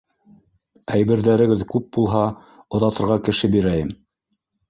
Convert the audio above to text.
Әйберҙәрегеҙ күп булһа, оҙатырға кеше бирәйем.